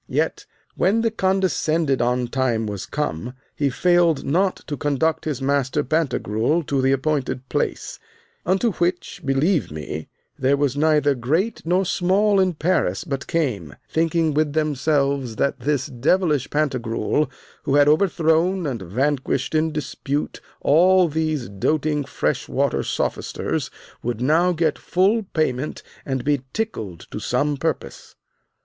Yet, when the condescended on time was come, he failed not to conduct his master Pantagruel to the appointed place, unto which, believe me, there was neither great nor small in Paris but came, thinking with themselves that this devilish Pantagruel, who had overthrown and vanquished in dispute all these doting fresh water sophisters, would now get full payment and be tickled to some purpose.